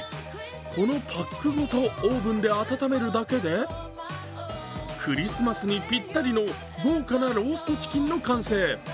このパックごとオーブンで温めるだけでクリスマスにぴったりの豪華なローストチキンの完成。